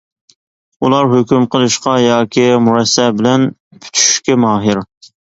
ئۇلار ھۆكۈم قىلىشقا ياكى مۇرەسسە بىلەن پۈتۈشۈشكە ماھىر.